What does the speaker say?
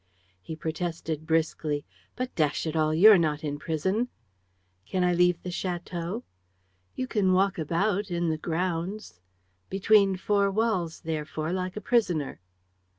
"He protested briskly: "'But, dash it all, you're not in prison!' "'Can I leave the château?' "'You can walk about ... in the grounds. ...' "'Between four walls, therefore, like a prisoner.'